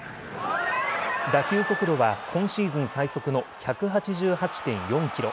打球速度は今シーズン最速の１８８．４キロ。